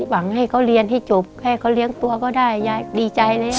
หวังให้เขาเรียนให้จบให้เขาเลี้ยงตัวก็ได้ยายดีใจแล้ว